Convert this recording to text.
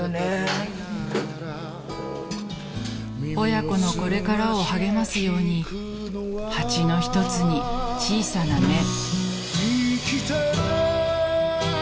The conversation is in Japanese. ［親子のこれからを励ますように鉢の一つに小さな芽］